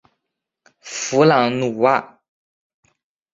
弗朗努瓦。